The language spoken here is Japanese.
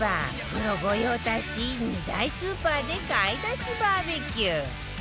プロ御用達２大スーパーで買い出しバーベキュー